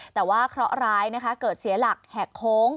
แต่ว่าเคราะห์ร้ายนะคะเกิดเสียหลักแหกโค้ง